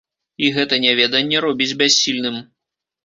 І гэта няведанне робіць бяссільным.